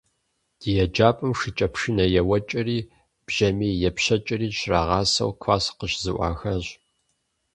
Ди еджапӏэм шыкӏэпшынэ еуэкӏэрэ, бжьэмий епщэкӏэрэ щрагъасэу класс къыщызэӏуахащ.